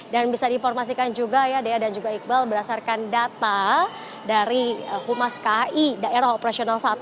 dan bisa diinformasikan juga ya dea dan juga iqbal berdasarkan data dari humas ki daerah operasional satu